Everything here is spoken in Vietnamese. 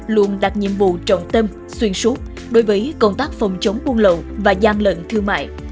luôn đặt nhiệm vụ trọng tâm xuyên suốt đối với công tác phòng chống buôn lậu và gian lận thương mại